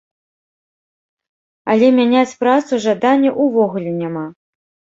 Але мяняць працу жадання ўвогуле няма.